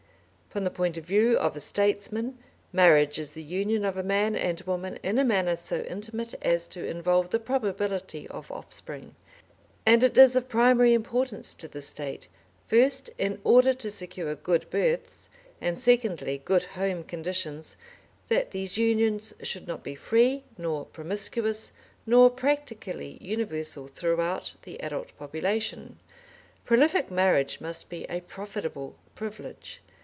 From the point of view of a statesman, marriage is the union of a man and woman in a manner so intimate as to involve the probability of offspring, and it is of primary importance to the State, first in order to secure good births, and secondly good home conditions, that these unions should not be free, nor promiscuous, nor practically universal throughout the adult population. Prolific marriage must be a profitable privilege.